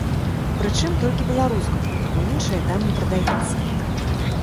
Прычым, толькі беларускага, бо іншае там не прадаецца.